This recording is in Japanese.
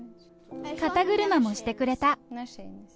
肩車もしてくれた。